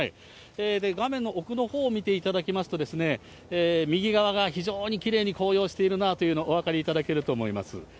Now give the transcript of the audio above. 画面の奥のほう、見ていただきますと、右側が非常にきれいに紅葉してるなというの、お分かりいただけると思います。